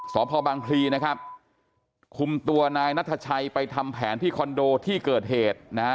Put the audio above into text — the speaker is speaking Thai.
สพบังพลีนะครับคุมตัวนายนัทชัยไปทำแผนที่คอนโดที่เกิดเหตุนะฮะ